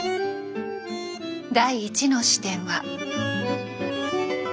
第１の視点は。